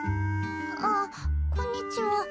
あっこんにちは。